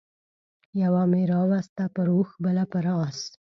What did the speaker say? يوه مې راوسته پر اوښ بله پر اس